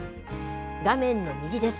画面の右です。